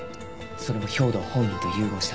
それも兵働本人と融合した。